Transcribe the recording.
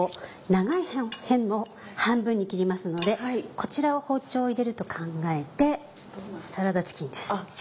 長い辺を半分に切りますのでこちらを包丁を入れると考えてサラダチキンです。